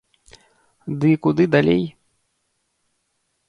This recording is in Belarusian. Ды і куды далей?